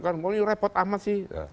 kan kok ini repot amat sih